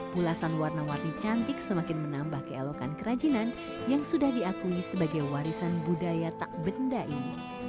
pulasan warna warni cantik semakin menambah keelokan kerajinan yang sudah diakui sebagai warisan budaya tak benda ini